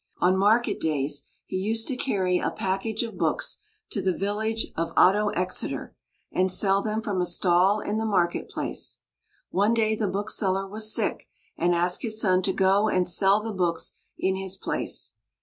On market days he used to carry a package of books to the village of Ottoxeter, and sell them from a stall in the market place. One day the bookseller was sick, and asked his son to go and sell the books in his place.